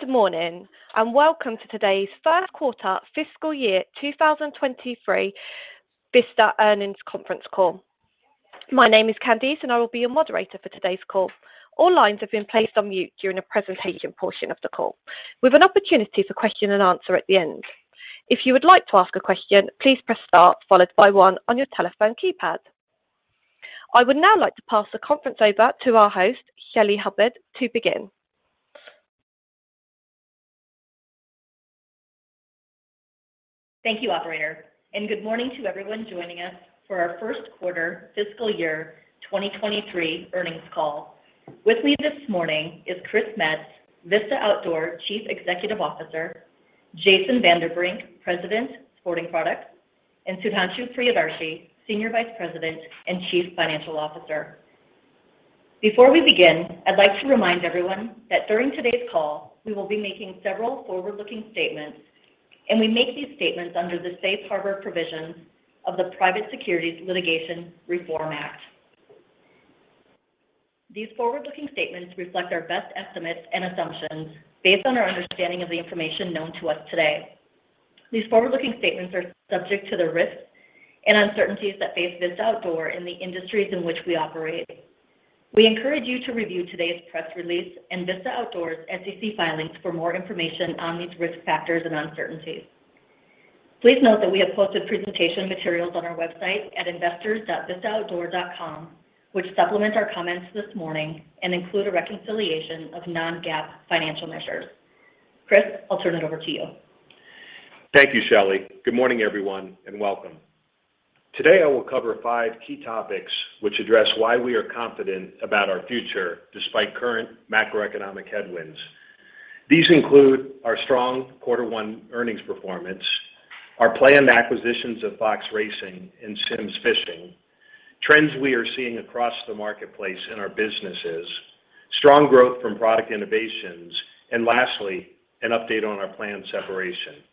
Good morning, and welcome to today's First Quarter Fiscal Year 2023 Vista Earnings Conference Call. My name is Candice, and I will be your moderator for today's call. All lines have been placed on mute during the presentation portion of the call. We have an opportunity for question and answer at the end. If you would like to ask a question, please press star followed by one on your telephone keypad. I would now like to pass the conference over to our host, Shelly Hubbard, to begin. Thank you, operator, and good morning to everyone joining us for our First Quarter Fiscal Year 2023 Earnings Call. With me this morning is Chris Metz, Vista Outdoor Chief Executive Officer, Jason Vanderbrink, President, Sporting Products, and Sudhanshu Priyadarshi, Senior Vice President and Chief Financial Officer. Before we begin, I'd like to remind everyone that during today's call, we will be making several forward-looking statements, and we make these statements under the safe harbor provisions of the Private Securities Litigation Reform Act. These forward-looking statements reflect our best estimates and assumptions based on our understanding of the information known to us today. These forward-looking statements are subject to the risks and uncertainties that face Vista Outdoor in the industries in which we operate. We encourage you to review today's press release and Vista Outdoor's SEC filings for more information on these risk factors and uncertainties. Please note that we have posted presentation materials on our website at investors.vistaoutdoor.com, which supplement our comments this morning and include a reconciliation of non-GAAP financial measures. Chris, I'll turn it over to you. Thank you, Shelly. Good morning, everyone, and welcome. Today, I will cover five key topics which address why we are confident about our future despite current macroeconomic headwinds. These include our strong quarter one earnings performance, our planned acquisitions of Fox Racing and Simms Fishing, trends we are seeing across the marketplace in our businesses, strong growth from product innovations, and lastly, an update on our planned separation.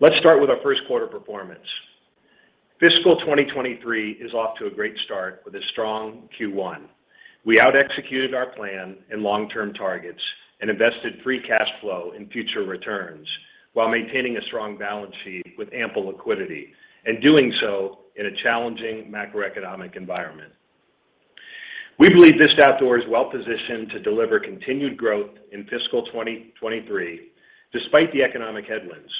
Let's start with our first quarter performance. Fiscal 2023 is off to a great start with a strong Q1. We outexecuted our plan and long-term targets and invested free cash flow in future returns while maintaining a strong balance sheet with ample liquidity and doing so in a challenging macroeconomic environment. We believe Vista Outdoor is well-positioned to deliver continued growth in fiscal 2023 despite the economic headwinds.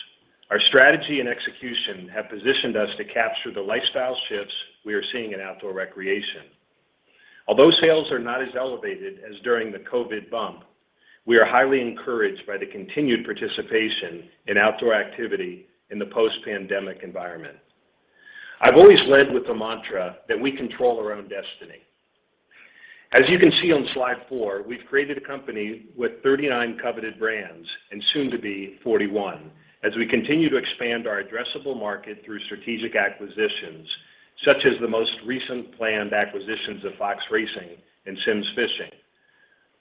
Our strategy and execution have positioned us to capture the lifestyle shifts we are seeing in outdoor recreation. Although sales are not as elevated as during the COVID bump, we are highly encouraged by the continued participation in outdoor activity in the post-pandemic environment. I've always led with the mantra that we control our own destiny. As you can see on slide four, we've created a company with 39 coveted brands and soon to be 41 as we continue to expand our addressable market through strategic acquisitions, such as the most recent planned acquisitions of Fox Racing and Simms Fishing.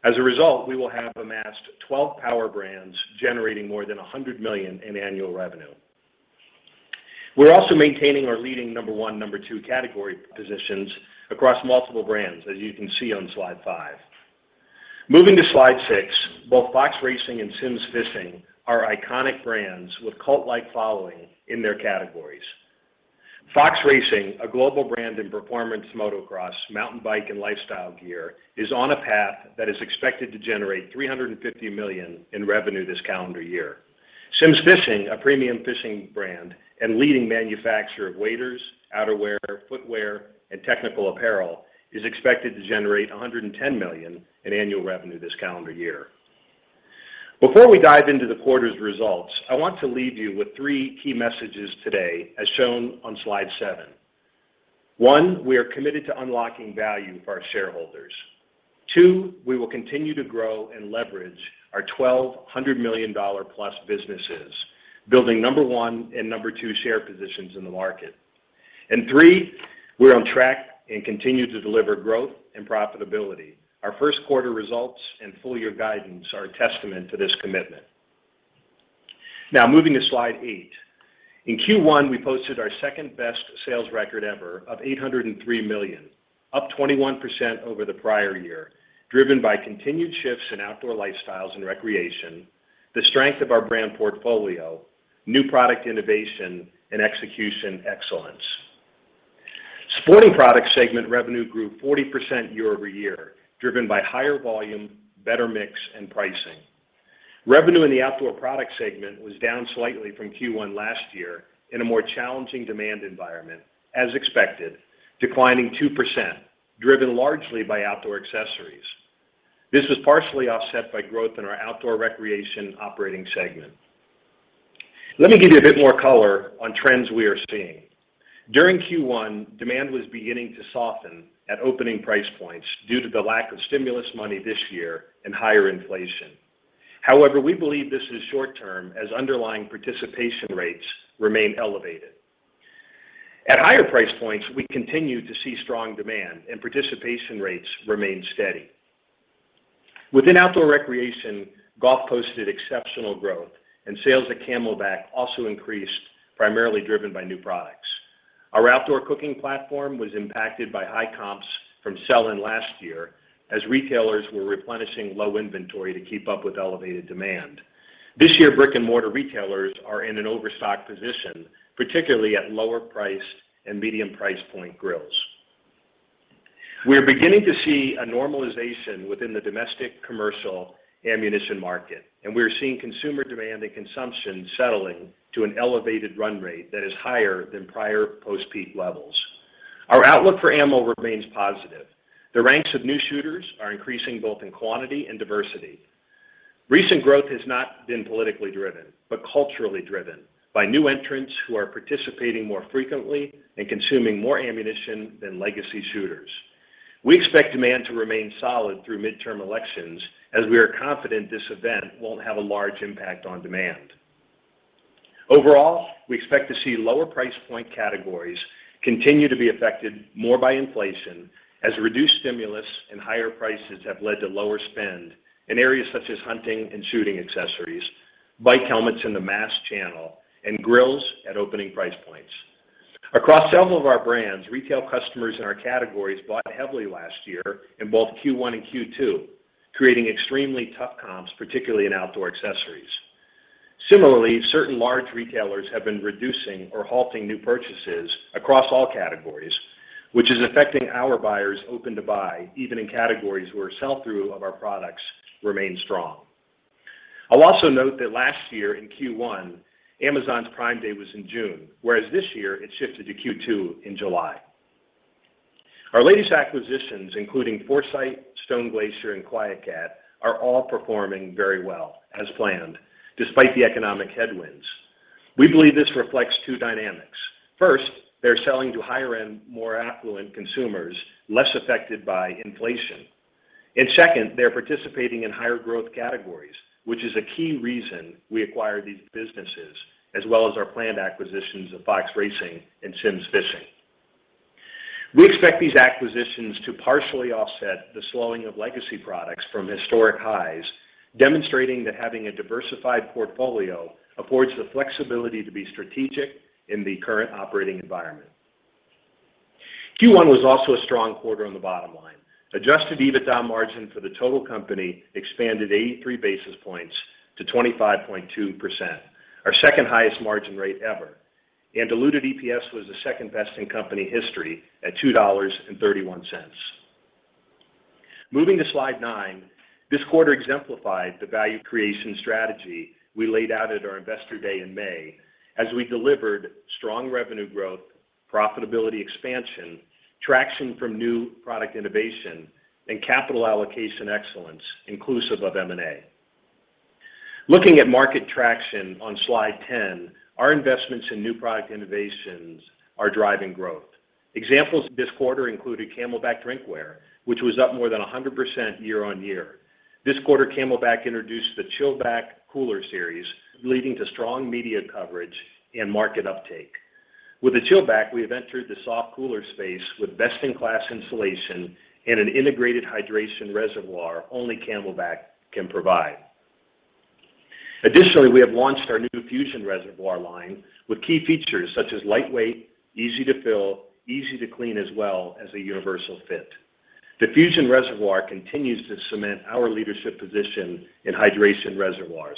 As a result, we will have amassed 12 power brands generating more than $100 million in annual revenue. We're also maintaining our leading number one, number two category positions across multiple brands, as you can see on slide five. Moving to slide six, both Fox Racing and Simms Fishing are iconic brands with cult-like following in their categories. Fox Racing, a global brand in performance motocross, mountain bike, and lifestyle gear, is on a path that is expected to generate $350 million in revenue this calendar year. Simms Fishing, a premium fishing brand and leading manufacturer of waders, outerwear, footwear, and technical apparel, is expected to generate $110 million in annual revenue this calendar year. Before we dive into the quarter's results, I want to leave you with three key messages today, as shown on slide seven. One, we are committed to unlocking value for our shareholders. Two, we will continue to grow and leverage our $1,200 million+ businesses, building number one and number two share positions in the market. Three, we're on track and continue to deliver growth and profitability. Our first quarter results and full year guidance are a testament to this commitment. Now, moving to slide eight. In Q1, we posted our second-best sales record ever of $803 million, up 21% over the prior year, driven by continued shifts in outdoor lifestyles and recreation, the strength of our brand portfolio, new product innovation, and execution excellence. Sporting Products segment revenue grew 40% year-over-year, driven by higher volume, better mix, and pricing. Revenue in the Outdoor Products segment was down slightly from Q1 last year in a more challenging demand environment, as expected, declining 2%, driven largely by outdoor accessories. This was partially offset by growth in our outdoor recreation operating segment. Let me give you a bit more color on trends we are seeing. During Q1, demand was beginning to soften at opening price points due to the lack of stimulus money this year and higher inflation. However, we believe this is short term as underlying participation rates remain elevated. At higher price points, we continue to see strong demand, and participation rates remain steady. Within outdoor recreation, golf posted exceptional growth, and sales at CamelBak also increased, primarily driven by new products. Our outdoor cooking platform was impacted by high comps from sell-in last year as retailers were replenishing low inventory to keep up with elevated demand. This year, brick and mortar retailers are in an overstock position, particularly at lower price and medium price point grills. We are beginning to see a normalization within the domestic commercial ammunition market, and we're seeing consumer demand and consumption settling to an elevated run rate that is higher than prior post-peak levels. Our outlook for ammo remains positive. The ranks of new shooters are increasing both in quantity and diversity. Recent growth has not been politically driven, but culturally driven by new entrants who are participating more frequently and consuming more ammunition than legacy shooters. We expect demand to remain solid through midterm elections as we are confident this event won't have a large impact on demand. Overall, we expect to see lower price point categories continue to be affected more by inflation as reduced stimulus and higher prices have led to lower spend in areas such as hunting and shooting accessories, bike helmets in the mass channel, and grills at opening price points. Across several of our brands, retail customers in our categories bought heavily last year in both Q1 and Q2, creating extremely tough comps, particularly in outdoor accessories. Similarly, certain large retailers have been reducing or halting new purchases across all categories, which is affecting our buyers open to buy even in categories where sell-through of our products remains strong. I'll also note that last year in Q1, Amazon's Prime Day was in June, whereas this year it shifted to Q2 in July. Our latest acquisitions, including Foresight, Stone Glacier, and QuietKat, are all performing very well as planned despite the economic headwinds. We believe this reflects two dynamics. First, they're selling to higher end, more affluent consumers, less affected by inflation. Second, they're participating in higher growth categories, which is a key reason we acquire these businesses, as well as our planned acquisitions of Fox Racing and Simms Fishing. We expect these acquisitions to partially offset the slowing of legacy products from historic highs, demonstrating that having a diversified portfolio affords the flexibility to be strategic in the current operating environment. Q1 was also a strong quarter on the bottom line. Adjusted EBITDA margin for the total company expanded 83 basis points to 25.2%, our second-highest margin rate ever, and diluted EPS was the second best in company history at $2.31. Moving to slide nine, this quarter exemplified the value creation strategy we laid out at our Investor Day in May as we delivered strong revenue growth, profitability expansion, traction from new product innovation, and capital allocation excellence inclusive of M&A. Looking at market traction on Slide 10, our investments in new product innovations are driving growth. Examples this quarter included CamelBak Drinkware, which was up more than 100% year-on-year. This quarter, CamelBak introduced the ChillBak cooler series, leading to strong media coverage and market uptake. With the ChillBak, we have entered the soft cooler space with best-in-class insulation and an integrated hydration reservoir only CamelBak can provide. Additionally, we have launched our new Fusion reservoir line with key features such as lightweight, easy to fill, easy to clean, as well as a universal fit. The Fusion reservoir continues to cement our leadership position in hydration reservoirs.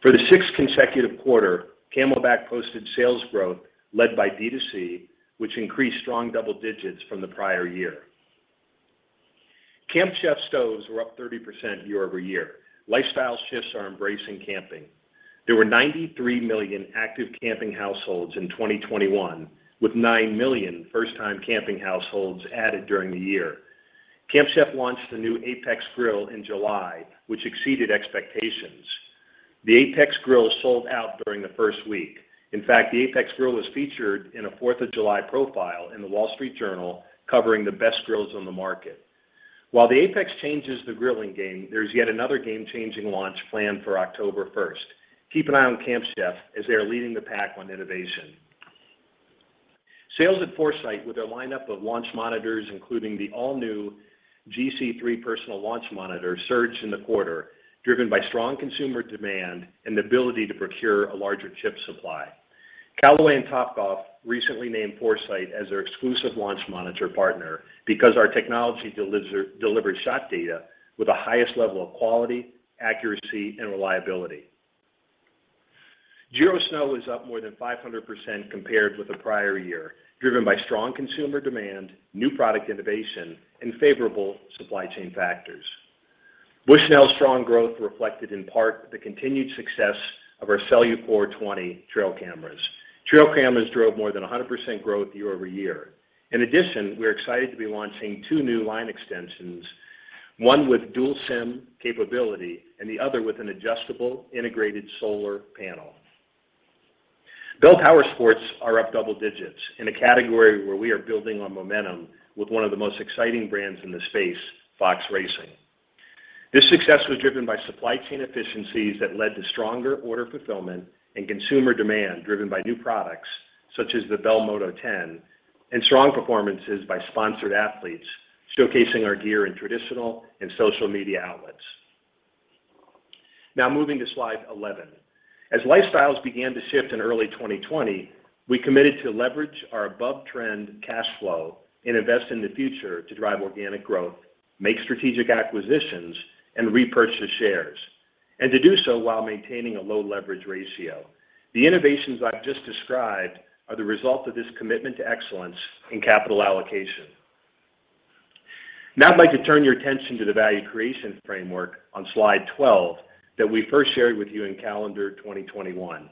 For the sixth consecutive quarter, CamelBak posted sales growth led by D2C, which increased strong double digits from the prior year. Camp Chef stoves were up 30% year-over-year. Lifestyle shifts are embracing camping. There were 93 million active camping households in 2021, with 9 million first-time camping households added during the year. Camp Chef launched the new Apex Grill in July, which exceeded expectations. The Apex Grill sold out during the first week. In fact, the Apex Grill was featured in a Fourth of July profile in The Wall Street Journal covering the best grills on the market. While the Apex changes the grilling game, there's yet another game-changing launch planned for October first. Keep an eye on Camp Chef as they are leading the pack on innovation. Sales at Foresight with their lineup of launch monitors, including the all-new GC3 personal launch monitor, surged in the quarter, driven by strong consumer demand and the ability to procure a larger chip supply. Callaway and Topgolf recently named Foresight as their exclusive launch monitor partner because our technology delivers shot data with the highest level of quality, accuracy and reliability. Giro Snow is up more than 500% compared with the prior year, driven by strong consumer demand, new product innovation, and favorable supply chain factors. Bushnell's strong growth reflected in part the continued success of our CelluCORE 20 trail cameras. Trail cameras drove more than 100% growth year-over-year. In addition, we are excited to be launching two new line extensions, one with dual SIM capability and the other with an adjustable integrated solar panel. Bell Powersports are up double digits in a category where we are building on momentum with one of the most exciting brands in the space, Fox Racing. This success was driven by supply chain efficiencies that led to stronger order fulfillment and consumer demand, driven by new products such as the Bell Moto-10, and strong performances by sponsored athletes showcasing our gear in traditional and social media outlets. Now moving to slide 11. As lifestyles began to shift in early 2020, we committed to leverage our above trend cash flow and invest in the future to drive organic growth, make strategic acquisitions, and repurchase shares, and to do so while maintaining a low leverage ratio. The innovations I've just described are the result of this commitment to excellence in capital allocation. Now I'd like to turn your attention to the value creation framework on slide 12 that we first shared with you in calendar 2021.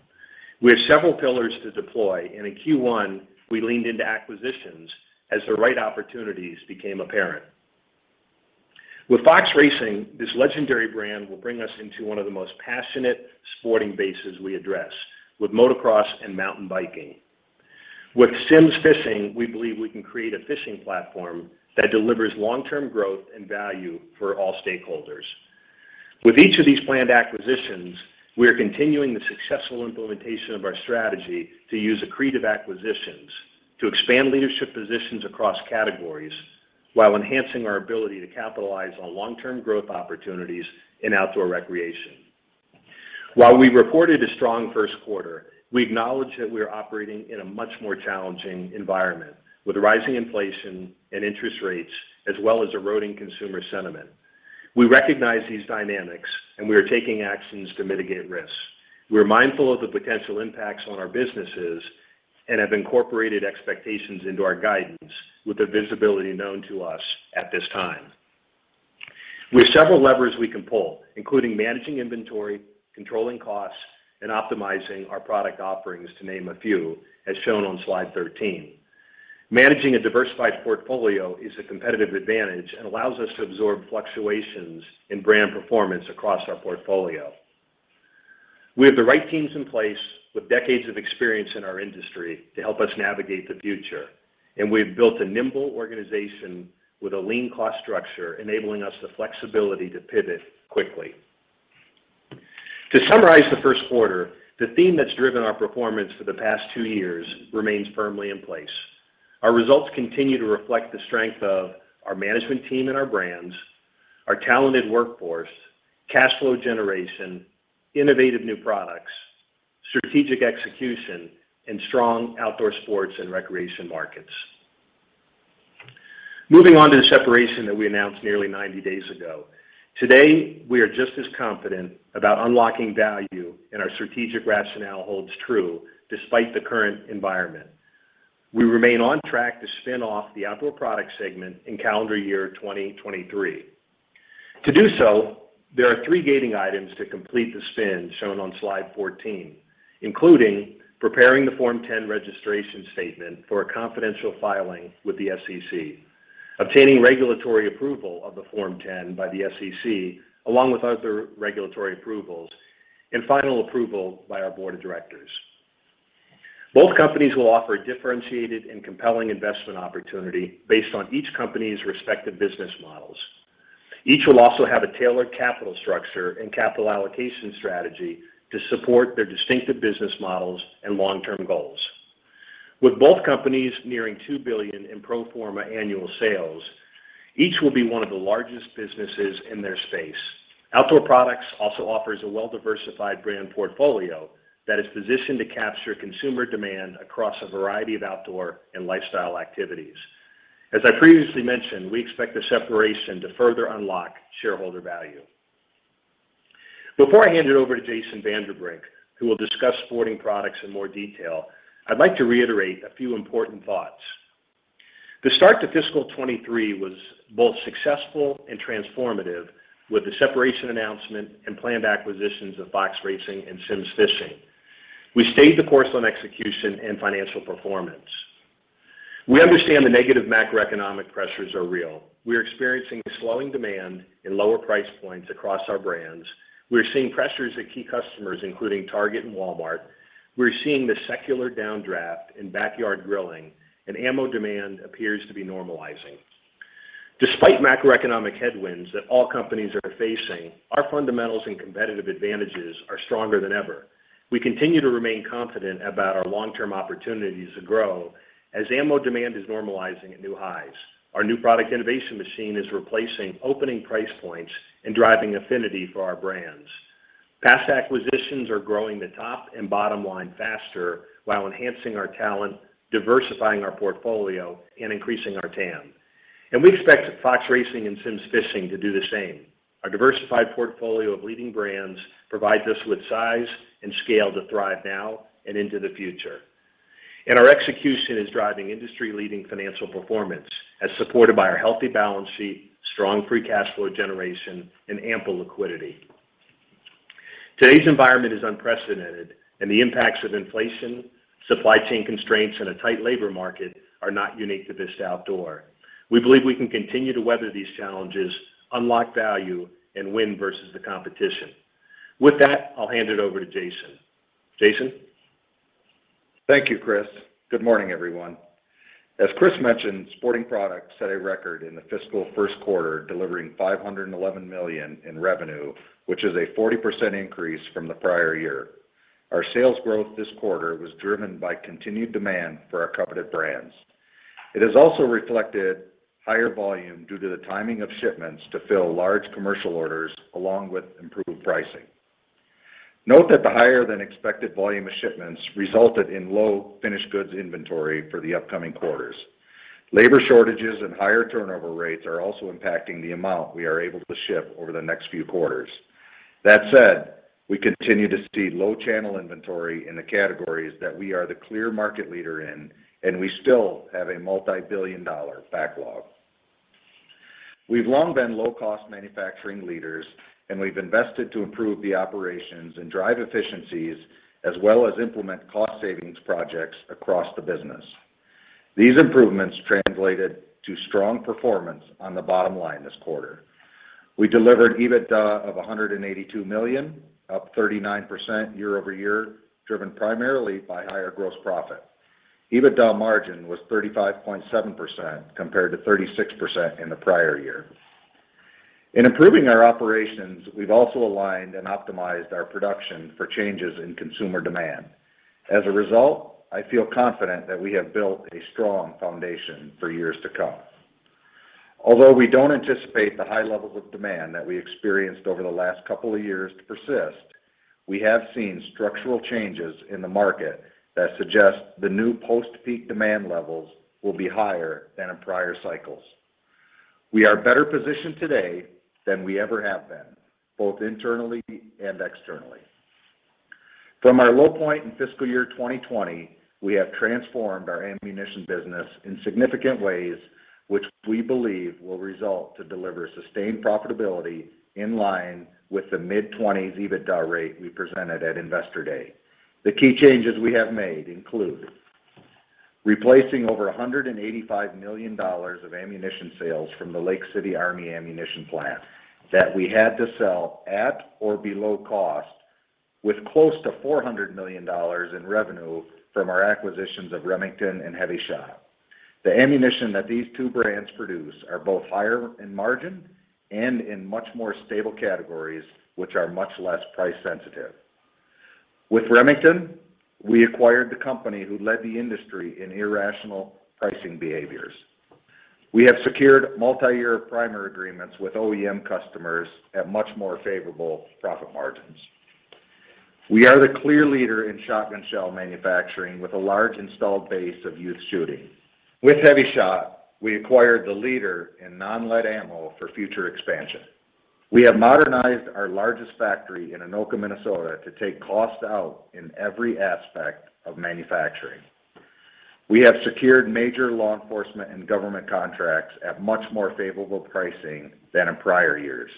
We have several pillars to deploy, and in Q1, we leaned into acquisitions as the right opportunities became apparent. With Fox Racing, this legendary brand will bring us into one of the most passionate sporting bases we address with motocross and mountain biking. With Simms Fishing, we believe we can create a fishing platform that delivers long-term growth and value for all stakeholders. With each of these planned acquisitions, we are continuing the successful implementation of our strategy to use accretive acquisitions to expand leadership positions across categories while enhancing our ability to capitalize on long-term growth opportunities in outdoor recreation. While we reported a strong first quarter, we acknowledge that we are operating in a much more challenging environment with rising inflation and interest rates, as well as eroding consumer sentiment. We recognize these dynamics, and we are taking actions to mitigate risks. We are mindful of the potential impacts on our businesses and have incorporated expectations into our guidance with the visibility known to us at this time. We have several levers we can pull, including managing inventory, controlling costs, and optimizing our product offerings, to name a few, as shown on slide 13. Managing a diversified portfolio is a competitive advantage and allows us to absorb fluctuations in brand performance across our portfolio. We have the right teams in place with decades of experience in our industry to help us navigate the future, and we've built a nimble organization with a lean cost structure, enabling us the flexibility to pivot quickly. To summarize the first quarter, the theme that's driven our performance for the past two years remains firmly in place. Our results continue to reflect the strength of our management team and our brands, our talented workforce, cash flow generation, innovative new products, strategic execution, and strong outdoor sports and recreation markets. Moving on to the separation that we announced nearly 90 days ago. Today, we are just as confident about unlocking value, and our strategic rationale holds true despite the current environment. We remain on track to spin off the Outdoor Products segment in calendar year 2023. To do so, there are three gating items to complete the spin shown on slide 14, including preparing the Form 10 registration statement for a confidential filing with the SEC, obtaining regulatory approval of the Form 10 by the SEC, along with other regulatory approvals, and final approval by our Board of Directors. Both companies will offer a differentiated and compelling investment opportunity based on each company's respective business models. Each will also have a tailored capital structure and capital allocation strategy to support their distinctive business models and long-term goals. With both companies nearing $2 billion in pro forma annual sales, each will be one of the largest businesses in their space. Outdoor Products also offers a well-diversified brand portfolio that is positioned to capture consumer demand across a variety of outdoor and lifestyle activities. As I previously mentioned, we expect the separation to further unlock shareholder value. Before I hand it over to Jason Vanderbrink, who will discuss Sporting Products in more detail, I'd like to reiterate a few important thoughts. The start to fiscal 2023 was both successful and transformative with the separation announcement and planned acquisitions of Fox Racing and Simms Fishing. We stayed the course on execution and financial performance. We understand the negative macroeconomic pressures are real. We are experiencing slowing demand and lower price points across our brands. We're seeing pressures at key customers, including Target and Walmart. We're seeing the secular downdraft in backyard grilling, and ammo demand appears to be normalizing. Despite macroeconomic headwinds that all companies are facing, our fundamentals and competitive advantages are stronger than ever. We continue to remain confident about our long-term opportunities to grow as ammo demand is normalizing at new highs. Our new product innovation machine is replacing opening price points and driving affinity for our brands. Past acquisitions are growing the top and bottom line faster while enhancing our talent, diversifying our portfolio and increasing our TAM. We expect Fox Racing and Simms Fishing to do the same. Our diversified portfolio of leading brands provides us with size and scale to thrive now and into the future. Our execution is driving industry-leading financial performance as supported by our healthy balance sheet, strong free cash flow generation, and ample liquidity. Today's environment is unprecedented, and the impacts of inflation, supply chain constraints, and a tight labor market are not unique to Vista Outdoor. We believe we can continue to weather these challenges, unlock value, and win versus the competition. With that, I'll hand it over to Jason. Jason? Thank you, Chris. Good morning, everyone. As Chris mentioned, Sporting Products set a record in the fiscal first quarter, delivering $511 million in revenue, which is a 40% increase from the prior year. Our sales growth this quarter was driven by continued demand for our coveted brands. It has also reflected higher volume due to the timing of shipments to fill large commercial orders, along with improved pricing. Note that the higher than expected volume of shipments resulted in low finished goods inventory for the upcoming quarters. Labor shortages and higher turnover rates are also impacting the amount we are able to ship over the next few quarters. That said, we continue to see low channel inventory in the categories that we are the clear market leader in, and we still have a multi-billion dollar backlog. We've long been low-cost manufacturing leaders, and we've invested to improve the operations and drive efficiencies as well as implement cost savings projects across the business. These improvements translated to strong performance on the bottom line this quarter. We delivered EBITDA of $182 million, up 39% year-over-year, driven primarily by higher gross profit. EBITDA margin was 35.7% compared to 36% in the prior year. In improving our operations, we've also aligned and optimized our production for changes in consumer demand. As a result, I feel confident that we have built a strong foundation for years to come. Although we don't anticipate the high levels of demand that we experienced over the last couple of years to persist, we have seen structural changes in the market that suggest the new post-peak demand levels will be higher than in prior cycles. We are better positioned today than we ever have been, both internally and externally. From our low point in fiscal year 2020, we have transformed our ammunition business in significant ways, which we believe will result to deliver sustained profitability in line with the mid-20s EBITDA rate we presented at Investor Day. The key changes we have made include replacing over $185 million of ammunition sales from the Lake City Army Ammunition Plant that we had to sell at or below cost, with close to $400 million in revenue from our acquisitions of Remington and HEVI-Shot. The ammunition that these two brands produce are both higher in margin and in much more stable categories, which are much less price sensitive. With Remington, we acquired the company who led the industry in irrational pricing behaviors. We have secured multi-year primer agreements with OEM customers at much more favorable profit margins. We are the clear leader in shotgun shell manufacturing with a large installed base of youth shooting. With HEVI-Shot, we acquired the leader in non-lead ammo for future expansion. We have modernized our largest factory in Anoka, Minnesota, to take cost out in every aspect of manufacturing. We have secured major law enforcement and government contracts at much more favorable pricing than in prior years,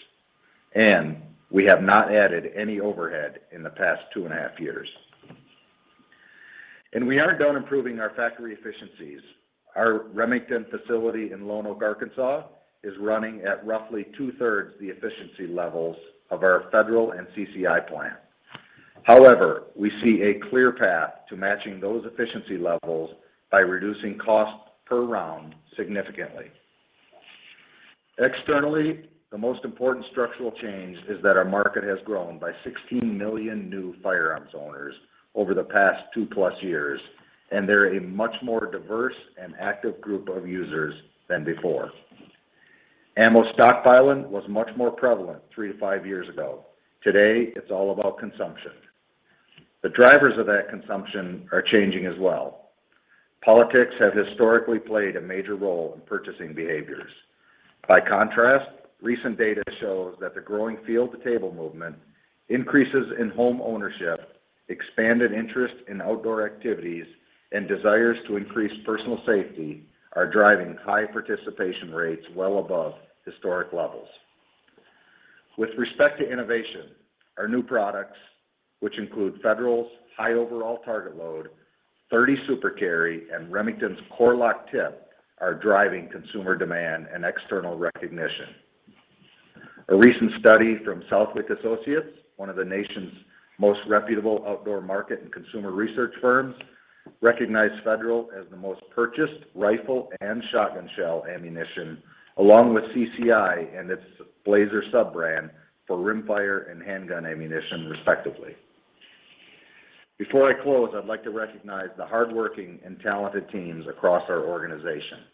and we have not added any overhead in the past two and a half years. We aren't done improving our factory efficiencies. Our Remington facility in Lonoke, Arkansas, is running at roughly 2/3 the efficiency levels of our Federal and CCI plant. However, we see a clear path to matching those efficiency levels by reducing cost per round significantly. Externally, the most important structural change is that our market has grown by 16 million new firearms owners over the past 2+ years, and they're a much more diverse and active group of users than before. Ammo stockpiling was much more prevalent three to five years ago. Today, it's all about consumption. The drivers of that consumption are changing as well. Politics have historically played a major role in purchasing behaviors. By contrast, recent data shows that the growing field-to-table movement, increases in home ownership, expanded interest in outdoor activities, and desires to increase personal safety are driving high participation rates well above historic levels. With respect to innovation, our new products, which include Federal's High Over All Target load, 30 Super Carry, and Remington's Core-Lokt Tipped, are driving consumer demand and external recognition. A recent study from Southwick Associates, one of the nation's most reputable outdoor market and consumer research firms, recognized Federal as the most purchased rifle and shotgun shell ammunition, along with CCI and its Blazer sub-brand for rimfire and handgun ammunition, respectively. Before I close, I'd like to recognize the hardworking and talented teams across our organization.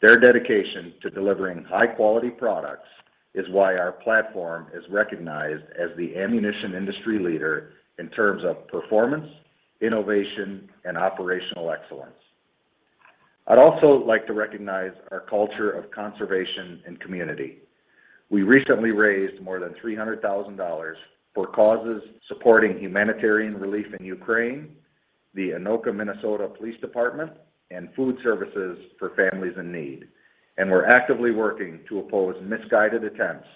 Their dedication to delivering high-quality products is why our platform is recognized as the ammunition industry leader in terms of performance, innovation, and operational excellence. I'd also like to recognize our culture of conservation and community. We recently raised more than $300,000 for causes supporting humanitarian relief in Ukraine, the Anoka Police Department, and food services for families in need. We're actively working to oppose misguided attempts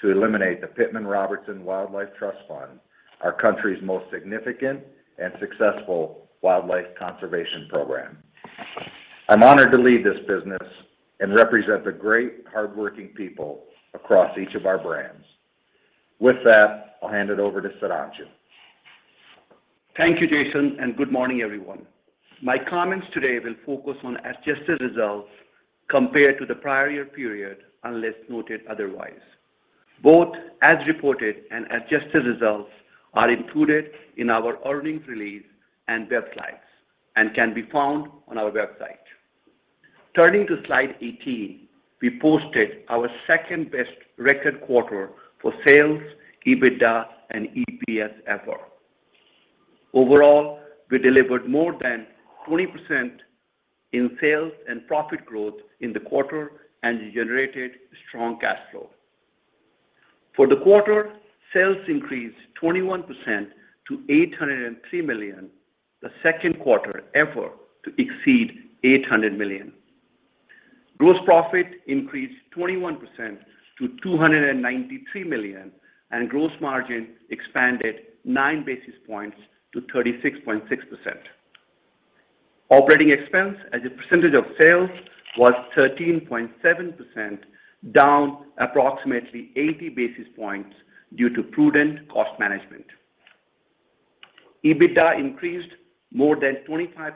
to eliminate the Pittman-Robertson Wildlife Restoration Act, our country's most significant and successful wildlife conservation program. I'm honored to lead this business and represent the great hardworking people across each of our brands. With that, I'll hand it over to Sudhanshu. Thank you, Jason, and good morning, everyone. My comments today will focus on adjusted results compared to the prior year period, unless noted otherwise. Both as reported and adjusted results are included in our earnings release and web slides and can be found on our website. Turning to slide 18, we posted our second-best record quarter for sales, EBITDA, and EPS ever. Overall, we delivered more than 20% in sales and profit growth in the quarter and generated strong cash flow. For the quarter, sales increased 21% to $803 million, the second quarter ever to exceed $800 million. Gross profit increased 21% to $293 million, and gross margin expanded 9 basis points to 36.6%. Operating expense as a percentage of sales was 13.7%, down approximately 80 basis points due to prudent cost management. EBITDA increased more than 25%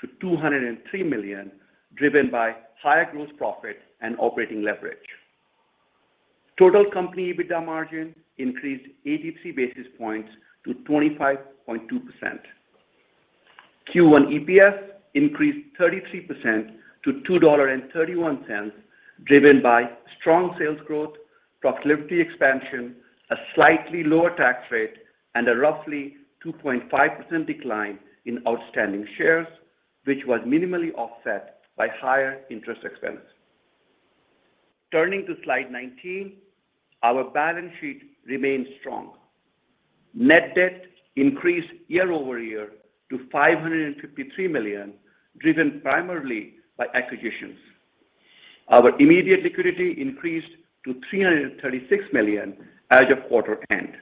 to $203 million, driven by higher gross profit and operating leverage. Total company EBITDA margin increased 83 basis points to 25.2%. Q1 EPS increased 33% to $2.31, driven by strong sales growth, profitability expansion, a slightly lower tax rate, and a roughly 2.5% decline in outstanding shares, which was minimally offset by higher interest expense. Turning to slide 19, our balance sheet remains strong. Net debt increased year-over-year to $553 million, driven primarily by acquisitions. Our immediate liquidity increased to $336 million as of quarter end.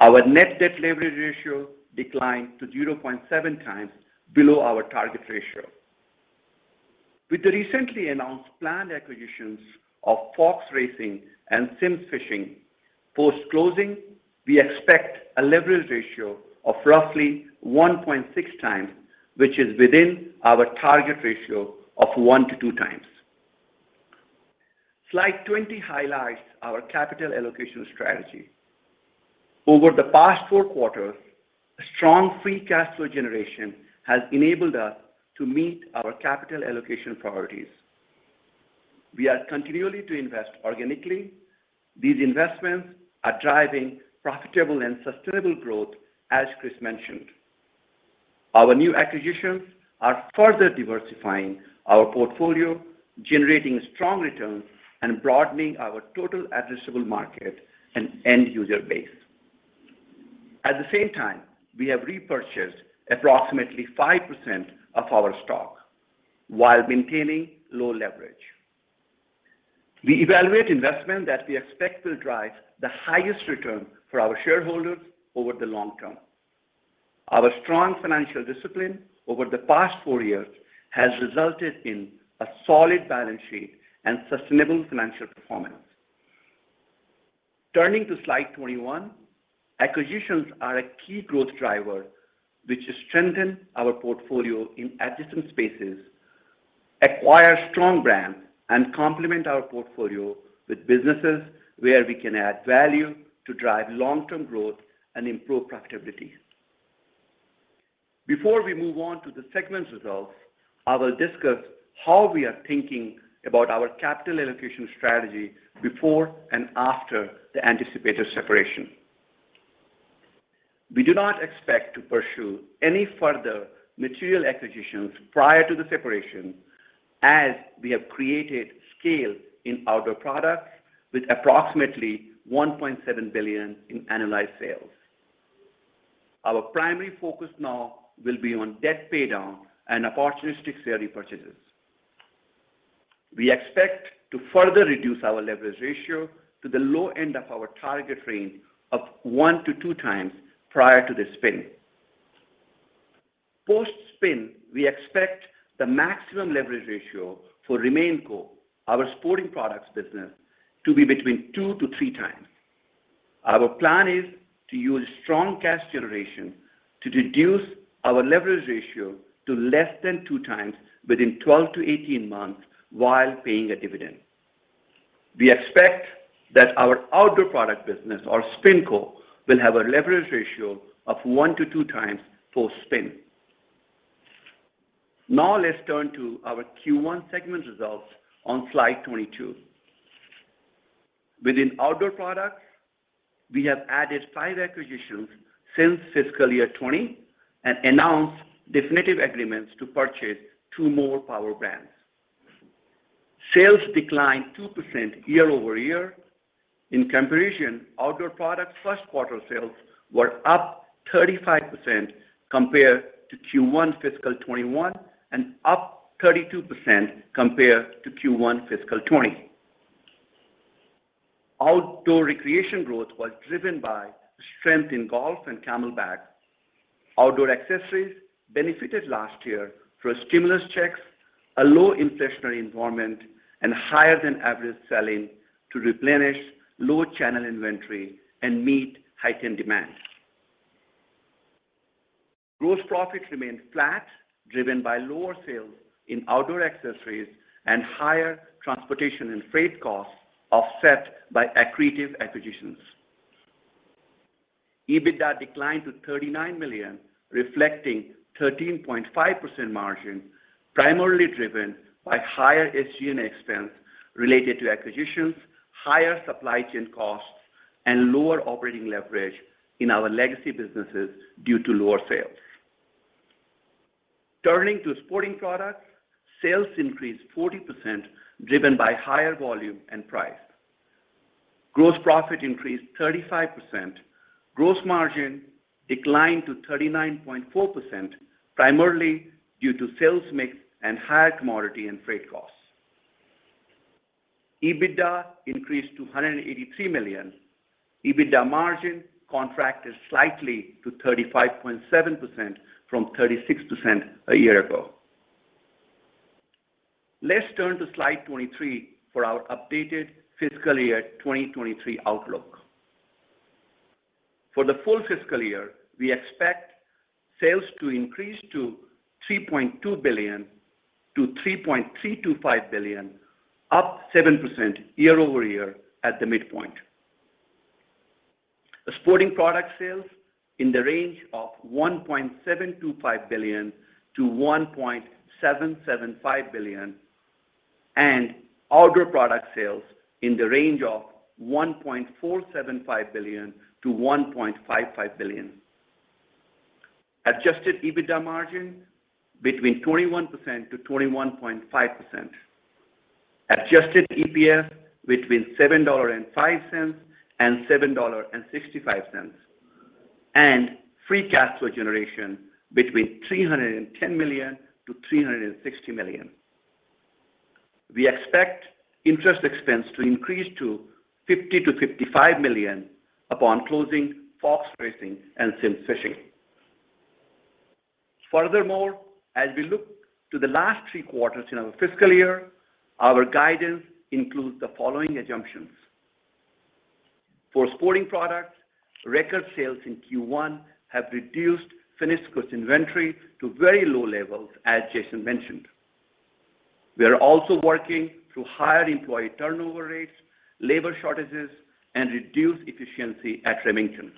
Our net debt leverage ratio declined to 0.7x below our target ratio. With the recently announced planned acquisitions of Fox Racing and Simms Fishing, post-closing, we expect a leverage ratio of roughly 1.6x, which is within our target ratio of 1-2x. Slide 20 highlights our capital allocation strategy. Over the past four quarters, strong free cash flow generation has enabled us to meet our capital allocation priorities. We are continuing to invest organically. These investments are driving profitable and sustainable growth, as Chris mentioned. Our new acquisitions are further diversifying our portfolio, generating strong returns, and broadening our total addressable market and end-user base. At the same time, we have repurchased approximately 5% of our stock while maintaining low leverage. We evaluate investment that we expect will drive the highest return for our shareholders over the long term. Our strong financial discipline over the past four years has resulted in a solid balance sheet and sustainable financial performance. Turning to slide 21, acquisitions are a key growth driver which strengthen our portfolio in adjacent spaces, acquire strong brands, and complement our portfolio with businesses where we can add value to drive long-term growth and improve profitability. Before we move on to the segments results, I will discuss how we are thinking about our capital allocation strategy before and after the anticipated separation. We do not expect to pursue any further material acquisitions prior to the separation, as we have created scale in Outdoor Products with approximately $1.7 billion in annualized sales. Our primary focus now will be on debt paydown and opportunistic share repurchases. We expect to further reduce our leverage ratio to the low end of our target range of 1-2x prior to the spin. Post-spin, we expect the maximum leverage ratio for RemainCo, our Sporting Products business, to be between 2-3x. Our plan is to use strong cash generation to reduce our leverage ratio to <2x within 12-18 months while paying a dividend. We expect that our Outdoor Products business, or SpinCo, will have a leverage ratio of 1-2x post-spin. Now let's turn to our Q1 segment results on slide 22. Within Outdoor Products, we have added five acquisitions since fiscal year 2020 and announced definitive agreements to purchase two more power brands. Sales declined 2% year-over-year. In comparison, Outdoor Products first quarter sales were up 35% compared to Q1 fiscal 2021 and up 32% compared to Q1 fiscal 2020. Outdoor recreation growth was driven by strength in golf and CamelBak. Outdoor accessories benefited last year through stimulus checks, a low inflationary environment, and higher than average selling to replenish low channel inventory and meet heightened demand. Gross profits remained flat, driven by lower sales in outdoor accessories and higher transportation and freight costs, offset by accretive acquisitions. EBITDA declined to $39 million, reflecting 13.5% margin, primarily driven by higher SG&A expense related to acquisitions, higher supply chain costs, and lower operating leverage in our legacy businesses due to lower sales. Turning to Sporting Products, sales increased 40% driven by higher volume and price. Gross profit increased 35%. Gross margin declined to 39.4%, primarily due to sales mix and higher commodity and freight costs. EBITDA increased to $183 million. EBITDA margin contracted slightly to 35.7% from 36% a year ago. Let's turn to slide 23 for our updated fiscal year 2023 outlook. For the full fiscal year, we expect sales to increase to $3.2 billion-$3.325 billion, up 7% year-over-year at the midpoint. The Sporting Products sales in the range of $1.725 billion-$1.775 billion, and Outdoor Products sales in the range of $1.475 billion-$1.55 billion. Adjusted EBITDA margin between 21%-21.5%. Adjusted EPS between $7.05 and $7.65. Free cash flow generation between $310 million-$360 million. We expect interest expense to increase to $50 million-$55 million upon closing Fox Racing and Simms Fishing. Furthermore, as we look to the last three quarters in our fiscal year, our guidance includes the following assumptions. For Sporting Products, record sales in Q1 have reduced finished goods inventory to very low levels, as Jason mentioned. We are also working through higher employee turnover rates, labor shortages, and reduced efficiency at Remington.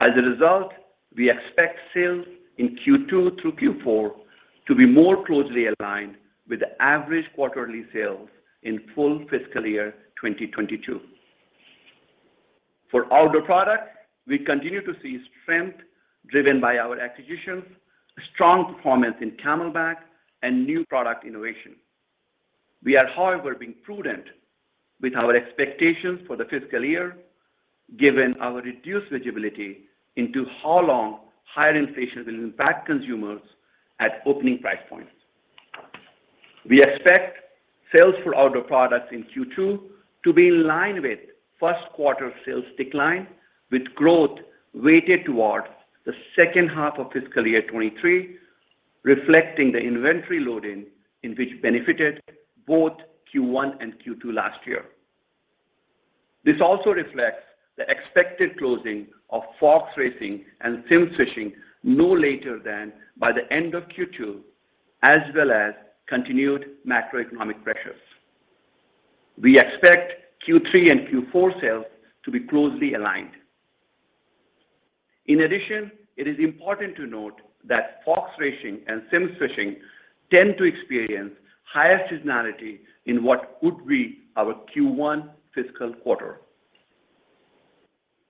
As a result, we expect sales in Q2 through Q4 to be more closely aligned with the average quarterly sales in full fiscal year 2022. For Outdoor Products, we continue to see strength driven by our acquisitions, strong performance in CamelBak, and new product innovation. We are, however, being prudent with our expectations for the fiscal year, given our reduced visibility into how long higher inflation will impact consumers at opening price points. We expect sales for Outdoor Products in Q2 to be in line with first quarter sales decline, with growth weighted towards the second half of fiscal year 2023, reflecting the inventory loading in which benefited both Q1 and Q2 last year. This also reflects the expected closing of Fox Racing and Simms Fishing no later than by the end of Q2, as well as continued macroeconomic pressures. We expect Q3 and Q4 sales to be closely aligned. In addition, it is important to note that Fox Racing and Simms Fishing tend to experience higher seasonality in what would be our Q1 fiscal quarter.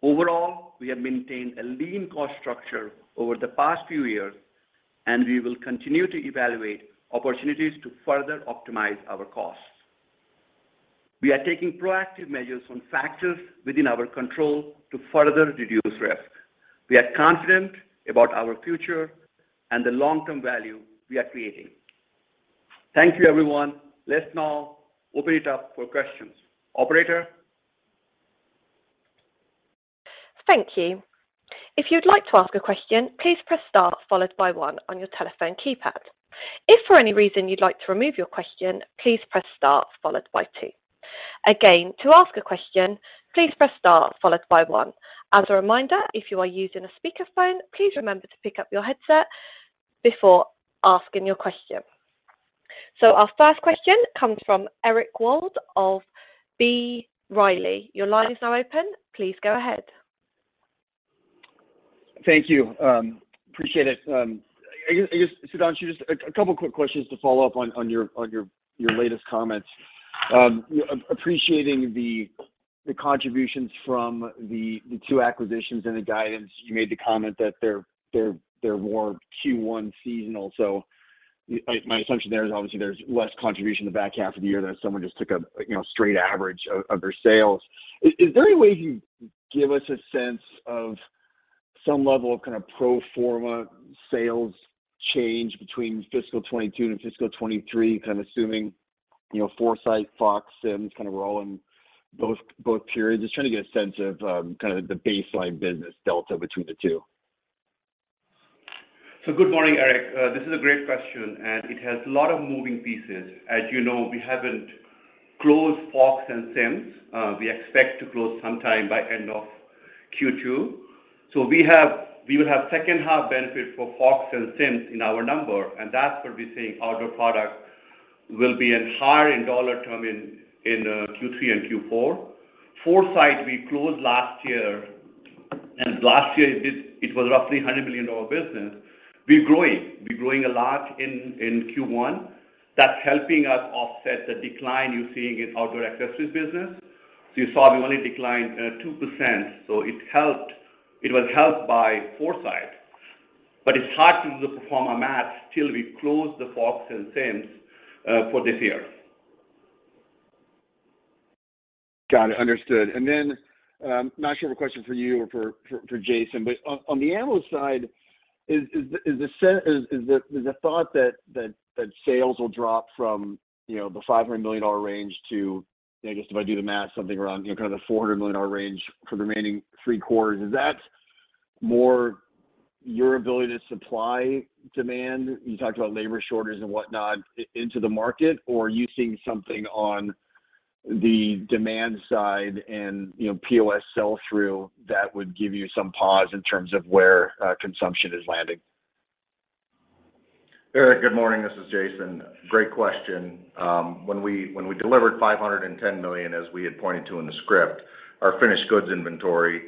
Overall, we have maintained a lean cost structure over the past few years, and we will continue to evaluate opportunities to further optimize our costs. We are taking proactive measures on factors within our control to further reduce risk. We are confident about our future and the long-term value we are creating. Thank you, everyone. Let's now open it up for questions. Operator. Thank you. If you'd like to ask a question, please press star followed by one on your telephone keypad. If for any reason you'd like to remove your question, please press star followed by two. Again, to ask a question, please press star followed by one. As a reminder, if you are using a speakerphone, please remember to pick up your headset before asking your question. Our first question comes from Eric Wold of B. Riley. Your line is now open. Please go ahead. Thank you. Appreciate it. I guess, Sudhanshu, just a couple quick questions to follow up on your latest comments. Appreciating the contributions from the two acquisitions and the guidance, you made the comment that they're more Q1 seasonal. My assumption there is obviously there's less contribution in the back half of the year than if someone just took a, you know, straight average of their sales. Is there any way you can give us a sense of some level of kind of pro forma sales change between fiscal 2022 and fiscal 2023, kind of assuming, you know, Foresight, Fox, Simms kind of rolling both periods? Just trying to get a sense of kind of the baseline business delta between the two. Good morning, Eric. This is a great question, and it has a lot of moving pieces. As you know, we haven't closed Fox Racing and Simms Fishing Products. We expect to close sometime by end of Q2. We will have second half benefit for Fox Racing and Simms Fishing Products in our number, and that's what we're saying Outdoor Products will be higher in dollar term in Q3 and Q4. Foresight Sports we closed last year, and last year it was roughly $100 million business. We're growing a lot in Q1. That's helping us offset the decline you're seeing in Outdoor Accessories business. You saw we only declined 2%, so it helped. It was helped by Foresight Sports. It's hard to do the pro forma math till we close the Fox Racing and Simms Fishing Products for this year. Got it. Understood. I'm not sure if a question for you or for Jason, but on the ammo side, is the thought that sales will drop from, you know, the $500 million range to, you know, just if I do the math, something around, you know, kind of the $400 million range for the remaining three quarters. Is that more your ability to supply demand? You talked about labor shortages and whatnot into the market, or are you seeing something on the demand side and, you know, POS sell-through that would give you some pause in terms of where consumption is landing? Eric, good morning. This is Jason. Great question. When we delivered $510 million, as we had pointed to in the script, our finished goods inventory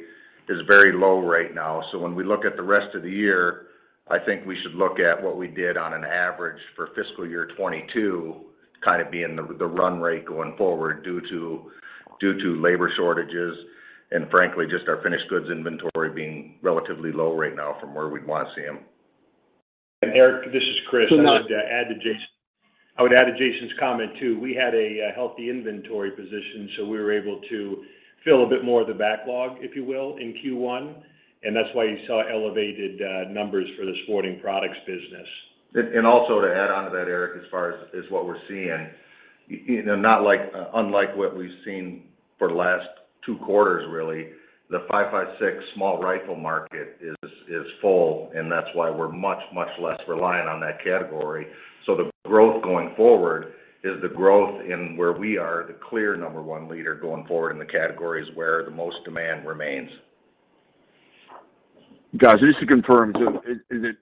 is very low right now. When we look at the rest of the year, I think we should look at what we did on average for fiscal year 2022 kind of being the run rate going forward due to labor shortages, and frankly, just our finished goods inventory being relatively low right now from where we'd want to see them. Eric, this is Chris. So now- I would add to Jason's comment too. We had a healthy inventory position, so we were able to fill a bit more of the backlog, if you will, in Q1, and that's why you saw elevated numbers for the Sporting Products business. Also to add onto that, Eric, as far as what we're seeing, you know, not unlike what we've seen for the last two quarters really, the 5.56 small rifle market is full, and that's why we're much less reliant on that category. The growth going forward is the growth in where we are the clear number one leader going forward in the categories where the most demand remains. Got you. Just to confirm, is it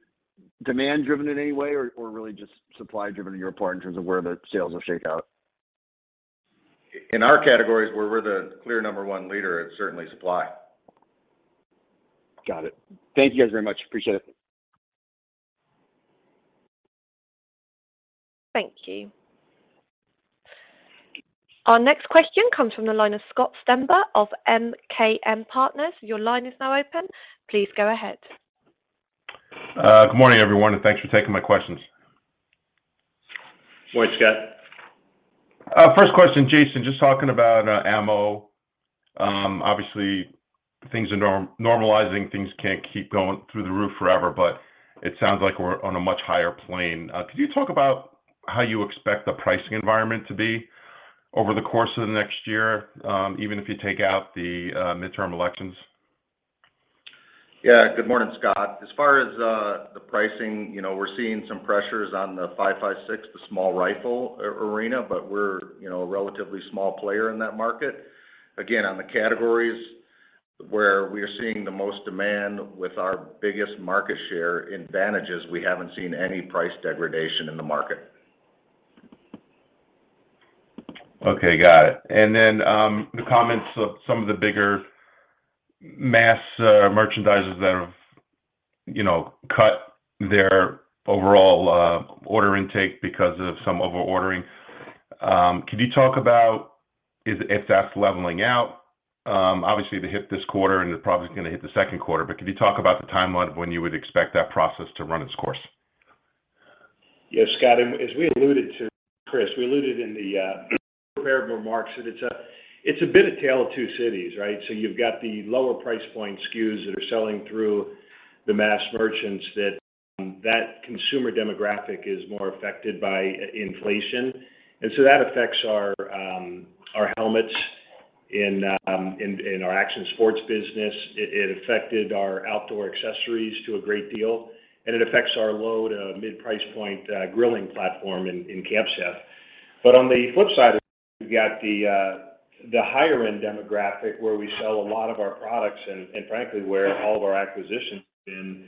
demand driven in any way or really just supply driven on your part in terms of where the sales will shake out? In our categories where we're the clear number one leader, it's certainly supply. Got it. Thank you guys very much. Appreciate it. Thank you. Our next question comes from the line of Scott Stember of MKM Partners. Your line is now open. Please go ahead. Good morning, everyone, and thanks for taking my questions. Morning, Scott. First question, Jason. Just talking about ammo, obviously things are normalizing. Things can't keep going through the roof forever, but it sounds like we're on a much higher plane. Could you talk about how you expect the pricing environment to be over the course of the next year, even if you take out the midterm elections? Yeah. Good morning, Scott. As far as the pricing, you know, we're seeing some pressures on the 5.56, the small rifle arena, but we're, you know, a relatively small player in that market. Again, on the categories where we are seeing the most demand with our biggest market share advantages, we haven't seen any price degradation in the market. Okay. Got it. Then, the comments of some of the bigger mass merchandisers that have, you know, cut their overall order intake because of some over-ordering, could you talk about if that's leveling out? Obviously they hit this quarter, and they're probably gonna hit the second quarter, but could you talk about the timeline of when you would expect that process to run its course? Yeah, Scott, as we alluded to, Chris, we alluded in the prepared remarks that it's a bit of a Tale of Two Cities, right? You've got the lower price point SKUs that are selling through the mass merchants that consumer demographic is more affected by inflation. That affects our helmets in our action sports business. It affected our outdoor accessories to a great degree, and it affects our low to mid-price point grilling platform in Camp Chef. On the flip side of it, we've got the higher end demographic where we sell a lot of our products and frankly, where all of our acquisitions have been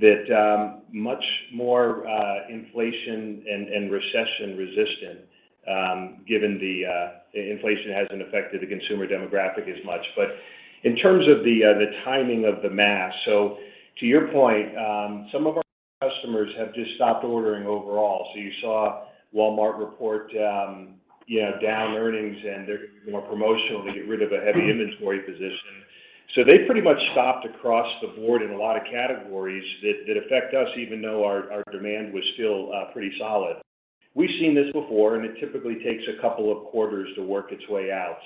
that much more inflation and recession-resistant given the inflation hasn't affected the consumer demographic as much. In terms of the timing of the mess, to your point, some of our customers have just stopped ordering overall. You saw Walmart report, you know, down earnings, and they're gonna do more promotionally to get rid of a heavy inventory position. They pretty much stopped across the board in a lot of categories that affect us, even though our demand was still pretty solid. We've seen this before, and it typically takes a couple of quarters to work its way out.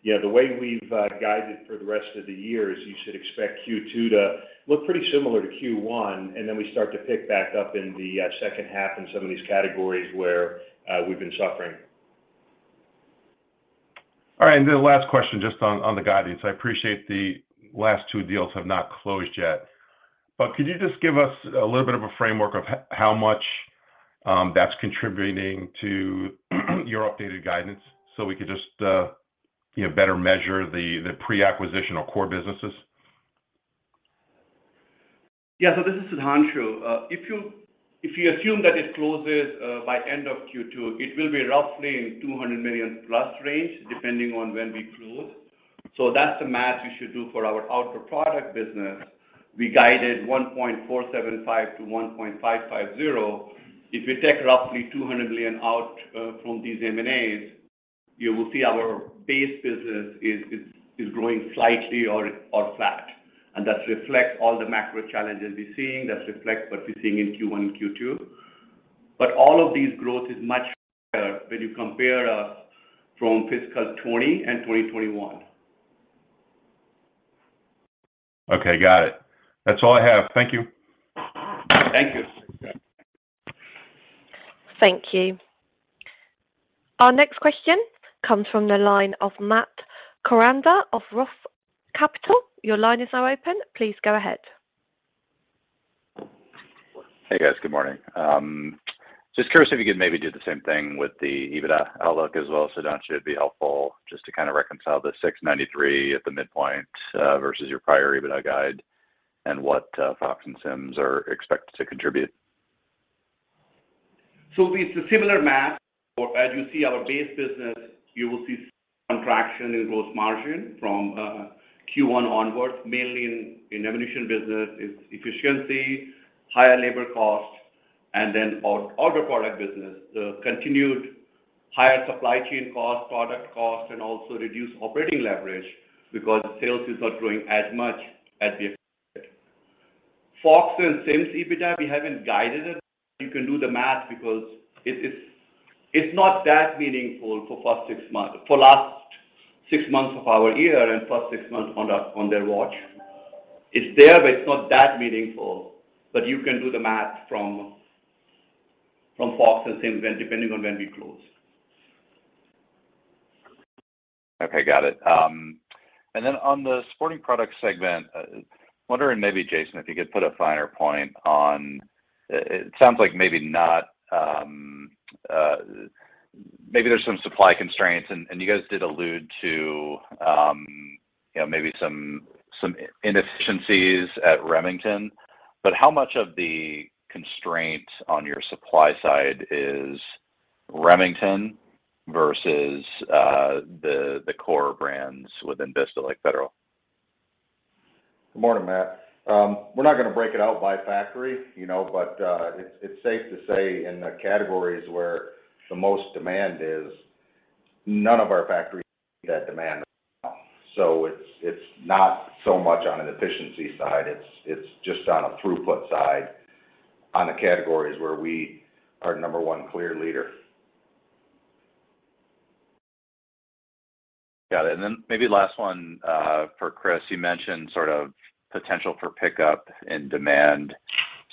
You know, the way we've guided for the rest of the year is you should expect Q2 to look pretty similar to Q1, and then we start to pick back up in the second half in some of these categories where we've been suffering. All right. The last question just on the guidance. I appreciate the last two deals have not closed yet, but could you just give us a little bit of a framework of how much that's contributing to your updated guidance so we could just you know better measure the pre-acquisition of core businesses? Yeah. This is Sudhanshu. If you assume that it closes by end of Q2, it will be roughly in $200 million+ range, depending on when we close. That's the math you should do for our Outdoor Products business. We guided $1.475 billion-$1.550 billion. If you take roughly $200 million out from these M&As, you will see our base business is growing slightly or flat. That reflects all the macro challenges we're seeing, that reflects what we're seeing in Q1 and Q2. All of these growth is much better when you compare us from fiscal 2020 and 2021. Okay. Got it. That's all I have. Thank you. Thank you. Thank you. Our next question comes from the line of Matt Koranda of Roth Capital. Your line is now open. Please go ahead. Hey, guys. Good morning. Just curious if you could maybe do the same thing with the EBITDA outlook as well, Sudhanshu. It'd be helpful just to kind of reconcile the 693 at the midpoint, versus your prior EBITDA guide and what Fox and Simms are expected to contribute. It's a similar math. As you see our base business, you will see contraction in gross margin from Q1 onwards, mainly in ammunition business, it's efficiency, higher labor costs, and then outdoor product business, the continued higher supply chain costs, product costs, and also reduced operating leverage because sales is not growing as much as we expected. Fox and Simms EBITDA, we haven't guided it. You can do the math because it is. It's not that meaningful for first six months for last six months of our year and first six months on their watch. It's there, but it's not that meaningful. You can do the math from Fox and Simms when, depending on when we close. Okay. Got it. Then on the Sporting Products segment, wondering maybe, Jason, if you could put a finer point on it. It sounds like maybe not, maybe there's some supply constraints and you guys did allude to you know, maybe some inefficiencies at Remington. But how much of the constraint on your supply side is Remington versus the core brands within Vista, like Federal? Good morning, Matt. We're not gonna break it out by factory, you know, but it's safe to say in the categories where the most demand is, none of our factories have that demand now. It's not so much on an efficiency side, it's just on a throughput side on the categories where we are number one clear leader. Got it. Maybe last one for Chris. You mentioned sort of potential for pickup in demand,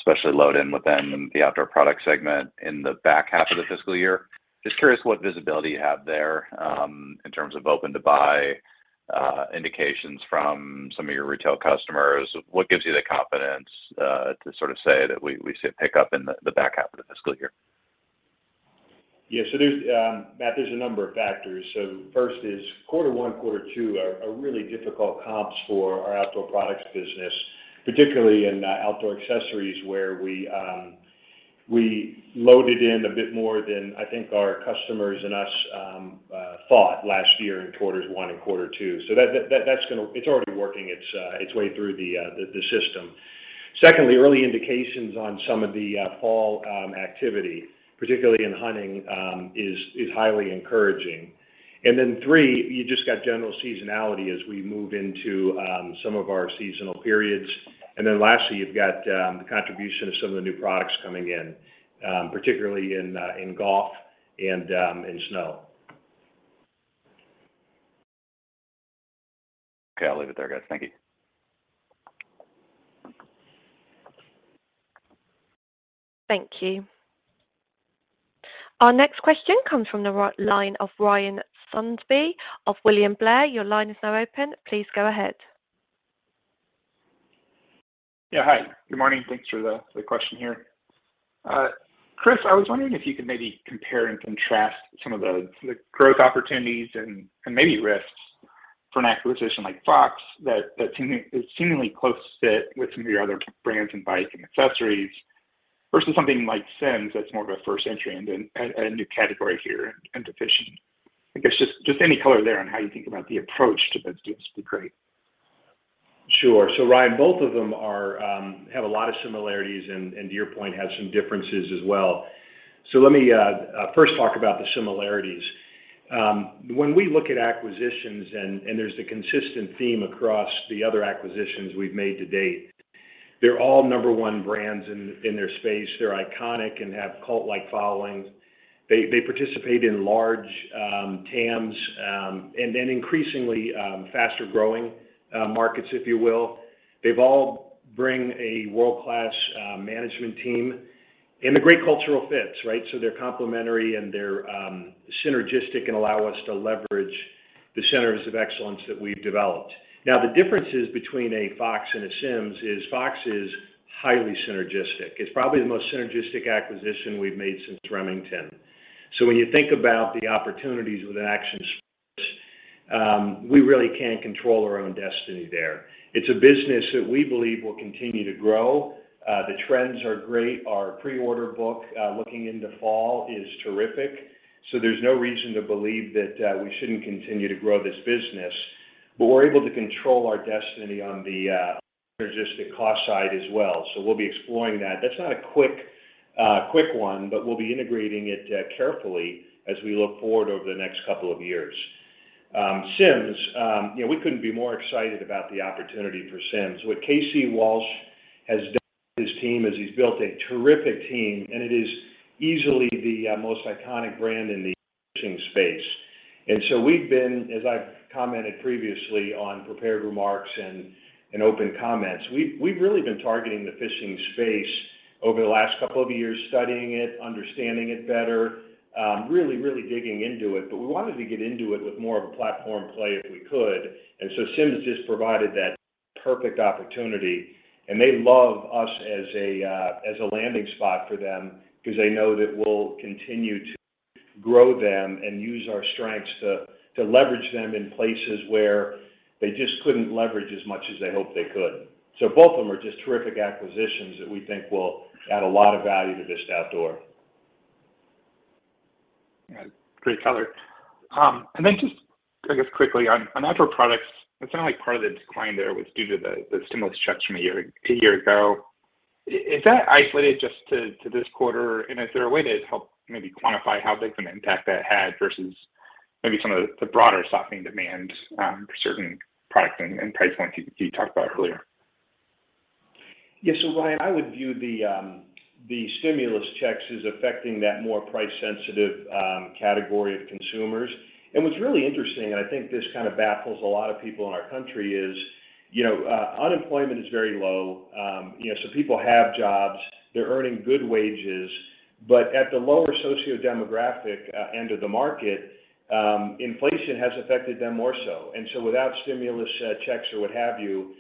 especially load in within the Outdoor Products segment in the back half of the fiscal year. Just curious what visibility you have there in terms of open to buy indications from some of your retail customers. What gives you the confidence to sort of say that we see a pickup in the back half of the fiscal year? Yeah. There's, Matt, a number of factors. First is quarter one, quarter two are really difficult comps for our Outdoor Products business, particularly in outdoor accessories where we loaded in a bit more than I think our customers and us thought last year in quarters one and quarter two. That's already working its way through the system. Secondly, early indications on some of the fall activity, particularly in hunting, is highly encouraging. Then three, you just got general seasonality as we move into some of our seasonal periods. Lastly, you've got the contribution of some of the new products coming in, particularly in golf and in snow. Okay. I'll leave it there, guys. Thank you. Thank you. Our next question comes from the line of Ryan Sundby of William Blair. Your line is now open. Please go ahead. Yeah. Hi. Good morning. Thanks for the question here. Chris, I was wondering if you could maybe compare and contrast some of the growth opportunities and maybe risks for an acquisition like Fox that is seemingly close fit with some of your other brands in bikes and accessories versus something like Simms that's more of a first entry into a new category here into fishing. I guess just any color there on how you think about the approach to those deals would be great. Sure. Ryan, both of them have a lot of similarities and to your point, have some differences as well. Let me first talk about the similarities. When we look at acquisitions and there's a consistent theme across the other acquisitions we've made to date, they're all number one brands in their space. They're iconic and have cult-like followings. They participate in large TAMs and then increasingly faster-growing markets, if you will. They've all bring a world-class management team and a great cultural fits, right? They're complementary and they're synergistic and allow us to leverage the centers of excellence that we've developed. Now, the differences between a Fox and a Simms is Fox is highly synergistic. It's probably the most synergistic acquisition we've made since Remington. When you think about the opportunities with Action Sports, we really can control our own destiny there. It's a business that we believe will continue to grow. The trends are great. Our pre-order book looking into fall is terrific. There's no reason to believe that we shouldn't continue to grow this business, but we're able to control our destiny on the synergistic cost side as well. We'll be exploring that. That's not a quick one, but we'll be integrating it carefully as we look forward over the next couple of years. Simms, you know, we couldn't be more excited about the opportunity for Simms. What K.C. Walsh has done with his team is he's built a terrific team, and it is easily the most iconic brand in the fishing space. We've been, as I've commented previously on prepared remarks and open comments, we've really been targeting the fishing space over the last couple of years, studying it, understanding it better, really digging into it, but we wanted to get into it with more of a platform play if we could. Simms just provided that perfect opportunity, and they love us as a landing spot for them because they know that we'll continue to grow them and use our strengths to leverage them in places where they just couldn't leverage as much as they hoped they could. Both of them are just terrific acquisitions that we think will add a lot of value to Vista Outdoor. Yeah. Great color. Just, I guess, quickly on Outdoor Products, it sounded like part of the decline there was due to the stimulus checks from a year ago. Is that isolated just to this quarter? And is there a way to help maybe quantify how big of an impact that had versus maybe some of the broader softening demand for certain products and price points you talked about earlier? Yeah. Ryan, I would view the stimulus checks as affecting that more price-sensitive category of consumers. What's really interesting, I think this kind of baffles a lot of people in our country, is, you know, unemployment is very low. You know, people have jobs, they're earning good wages. At the lower sociodemographic end of the market, inflation has affected them more so. Without stimulus checks or what have you,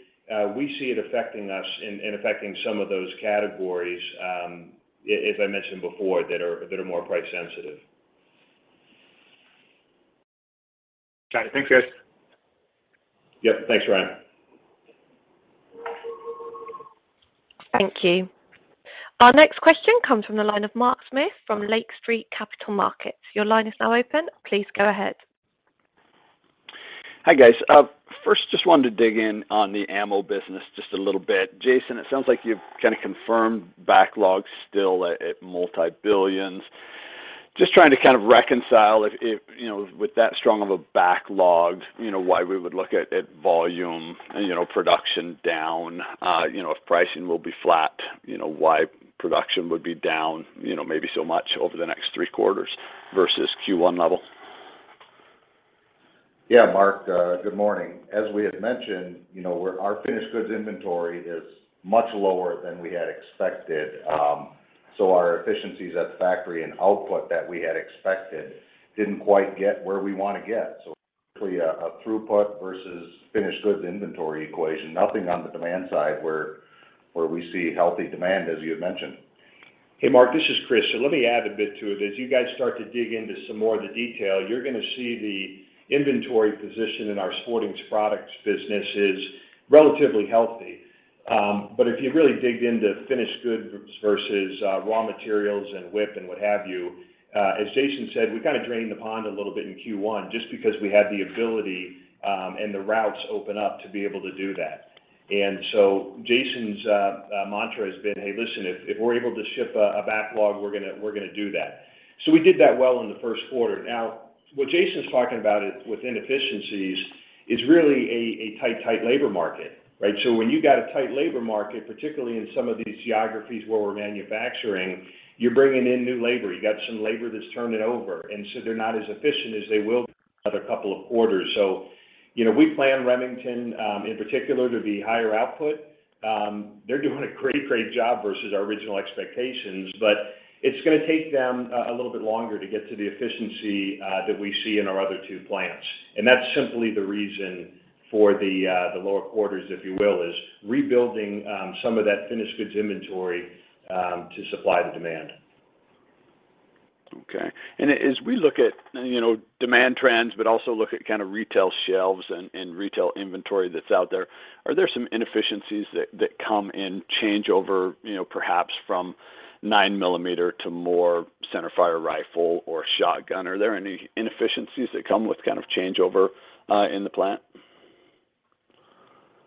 we see it affecting us and affecting some of those categories, as I mentioned before, that are more price sensitive. Got it. Thanks, guys. Yep. Thanks, Ryan. Thank you. Our next question comes from the line of Mark Smith from Lake Street Capital Markets. Your line is now open. Please go ahead. Hi, guys. First, just wanted to dig in on the ammo business just a little bit. Jason, it sounds like you've kind of confirmed backlog still at multi-billions. Just trying to kind of reconcile if you know, with that strong of a backlog, you know, why we would look at volume and production down. You know, if pricing will be flat, you know, why production would be down, you know, maybe so much over the next three quarters versus Q1 level. Yeah, Mark, good morning. As we had mentioned, you know, our finished goods inventory is much lower than we had expected. Our efficiencies at the factory and output that we had expected didn't quite get where we wanna get. Basically a throughput versus finished goods inventory equation. Nothing on the demand side where we see healthy demand, as you had mentioned. Hey, Mark, this is Chris. Let me add a bit to it. As you guys start to dig into some more of the detail, you're gonna see the inventory position in our Sporting Products business is relatively healthy. If you really dug into finished goods versus raw materials and WIP and what have you, as Jason said, we kind of drained the pond a little bit in Q1 just because we had the ability and the routes open up to be able to do that. Jason's mantra has been, "Hey, listen, if we're able to ship a backlog, we're gonna do that." We did that well in the first quarter. Now, what Jason's talking about is with inefficiencies is really a tight labor market, right? When you got a tight labor market, particularly in some of these geographies where we're manufacturing, you're bringing in new labor. You got some labor that's turning over, and so they're not as efficient as they will be another couple of quarters. You know, we plan Remington in particular to be higher output. They're doing a great job versus our original expectations, but it's gonna take them a little bit longer to get to the efficiency that we see in our other two plants. That's simply the reason for the lower quarters, if you will, is rebuilding some of that finished goods inventory to supply the demand. Okay. As we look at, you know, demand trends, but also look at kind of retail shelves and retail inventory that's out there, are there some inefficiencies that come in changeover, you know, perhaps from 9 millimeter to more centerfire rifle or shotgun? Are there any inefficiencies that come with kind of changeover in the plant?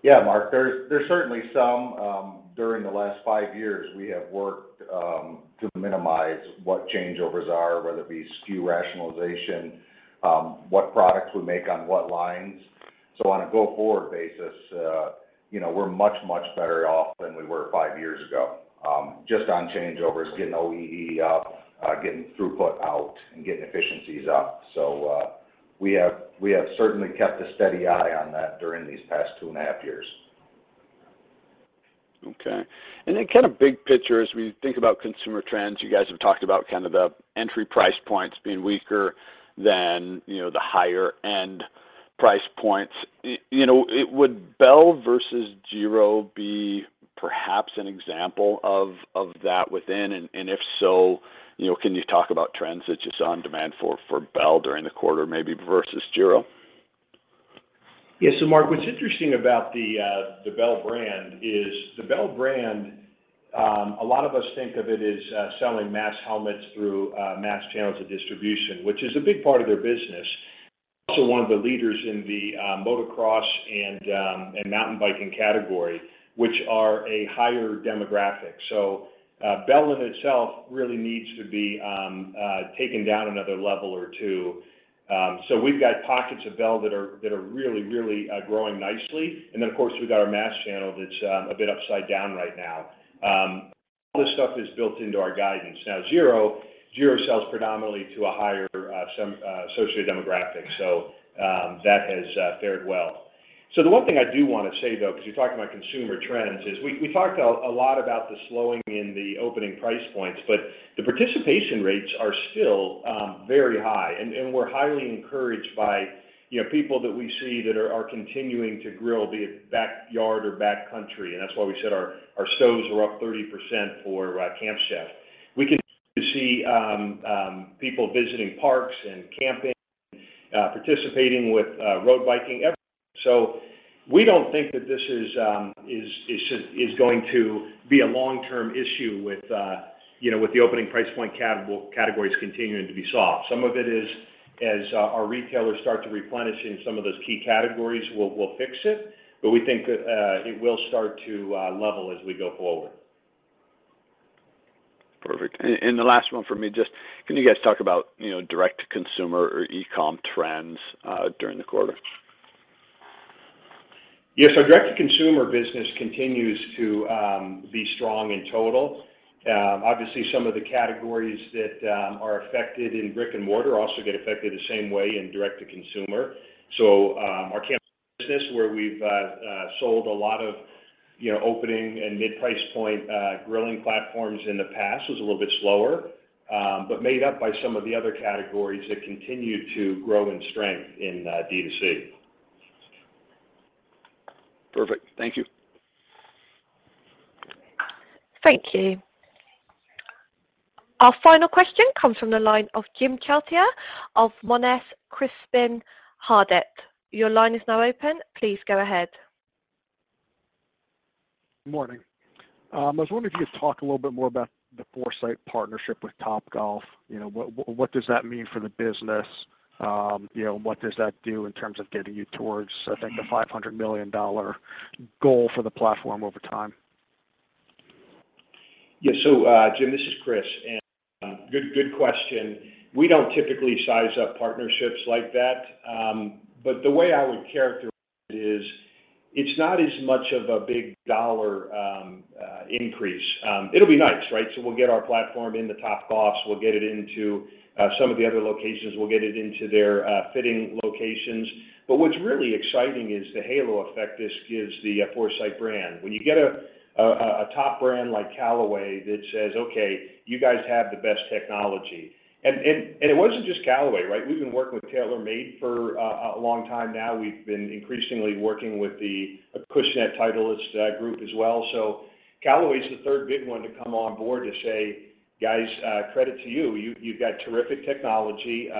Yeah, Mark, there's certainly some. During the last five years, we have worked to minimize what changeovers are, whether it be SKU rationalization, what products we make on what lines. On a go-forward basis, you know, we're much more than we were five years ago, just on changeovers, getting OEE up, getting throughput up and getting efficiencies up. We have certainly kept a steady eye on that during these past two and a half years. Okay. Kind of big picture, as we think about consumer trends, you guys have talked about kind of the entry price points being weaker than, you know, the higher end price points. You know, would Bell versus Giro be perhaps an example of that within? If so, you know, can you talk about trends that you saw on demand for Bell during the quarter maybe versus Giro? Yeah. Mark, what's interesting about the Bell brand is a lot of us think of it as selling mass helmets through mass channels of distribution, which is a big part of their business. Also, one of the leaders in the motocross and mountain biking category, which are a higher demographic. Bell in itself really needs to be taken down another level or two. We've got pockets of Bell that are really growing nicely. Of course we've got our mass channel that's a bit upside down right now. All this stuff is built into our guidance. Now, Giro sells predominantly to a higher socio-demographic. That has fared well. The one thing I do want to say though, 'cause you're talking about consumer trends, is we talked a lot about the slowing in the opening price points, but the participation rates are still very high and we're highly encouraged by, you know, people that we see that are continuing to grill be it backyard or backcountry. That's why we said our stoves are up 30% for Camp Chef. We can see people visiting parks and camping, participating with road biking, everything. We don't think that this is going to be a long-term issue with, you know, with the opening price point categories continuing to be soft. Some of it is as our retailers start to replenish in some of those key categories, we'll fix it, but we think that it will start to level as we go forward. Perfect. The last one for me, just can you guys talk about, you know, direct-to-consumer or e-com trends during the quarter? Yeah. Direct-to-consumer business continues to be strong in total. Obviously some of the categories that are affected in brick and mortar also get affected the same way in direct-to-consumer. Our Camp Chef business where we've sold a lot of, you know, opening and mid-price point grilling platforms in the past was a little bit slower, but made up by some of the other categories that continue to grow in strength in D2C. Perfect. Thank you. Thank you. Our final question comes from the line of Jim Chartier of Monness, Crespi, Hardt. Your line is now open. Please go ahead. Morning. I was wondering if you could talk a little bit more about the Foresight partnership with Topgolf. You know, what does that mean for the business? You know, what does that do in terms of getting you towards, I think the $500 million goal for the platform over time? Yeah. Jim, this is Chris, and good question. We don't typically size up partnerships like that. But the way I would characterize it is it's not as much of a big dollar increase. It'll be nice, right? We'll get our platform into Topgolf's, we'll get it into some of the other locations, we'll get it into their fitting locations. But what's really exciting is the halo effect this gives the Foresight brand. When you get a top brand like Callaway that says, "Okay, you guys have the best technology." It wasn't just Callaway, right? We've been working with TaylorMade for a long time now. We've been increasingly working with pushing that Titleist group as well. Callaway's the third big one to come on board to say, "Guys, credit to you. You've got terrific technology.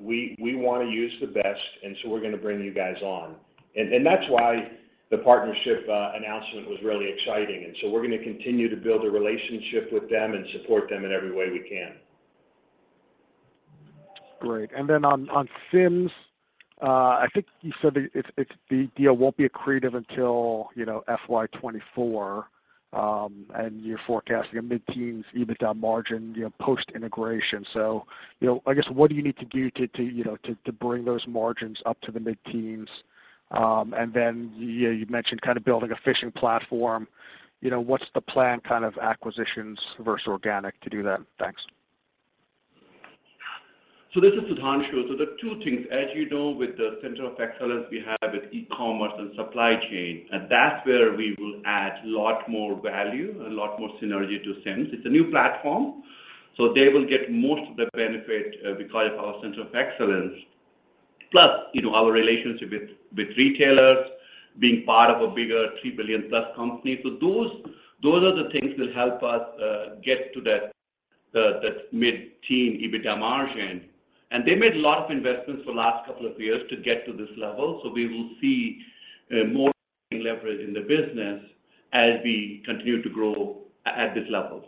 We want to use the best, and so we're gonna bring you guys on." That's why the partnership announcement was really exciting. We're gonna continue to build a relationship with them and support them in every way we can. Great. Then on Simms, I think you said that it's the deal won't be accretive until, you know, FY 2024, and you're forecasting a mid-teens EBITDA margin, you know, post-integration. You know, I guess, what do you need to do to you know, to bring those margins up to the mid-teens? Then you mentioned kind of building a fishing platform, you know, what's the plan kind of acquisitions versus organic to do that? Thanks. This is Sudhanshu. There are two things: as you know, with the center of excellence we have with e-commerce and supply chain, and that's where we will add a lot more value, a lot more synergy to Simms. It's a new platform, so they will get most of the benefit, because of our center of excellence, plus, you know, our relationship with retailers being part of a bigger $3 billion+ company. Those are the things that help us get to that mid-teen EBITDA margin. They made a lot of investments for last couple of years to get to this level. We will see more leverage in the business as we continue to grow at this level.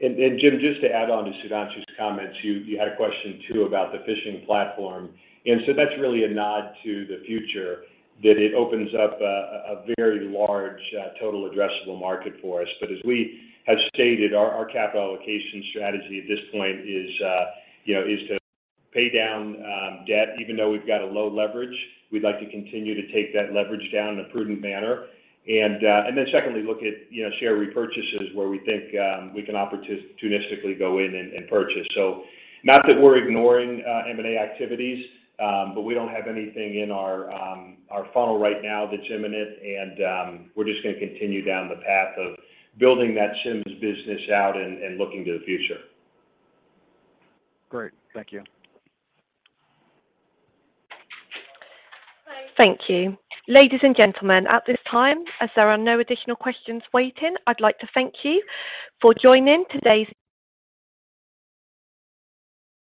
Jim, just to add on to Sudhanshu's comments, you had a question too about the fishing platform, and so that's really a nod to the future that it opens up a very large total addressable market for us. But as we have stated, our capital allocation strategy at this point is, you know, to pay down debt. Even though we've got a low leverage, we'd like to continue to take that leverage down in a prudent manner. Then secondly, look at, you know, share repurchases where we think we can opportunistically go in and purchase. Not that we're ignoring M&A activities, but we don't have anything in our funnel right now that's imminent and we're just gonna continue down the path of building that Simms business out and looking to the future. Great. Thank you. Thank you. Ladies and gentlemen, at this time as there are no additional questions waiting, I'd like to thank you for joining today's.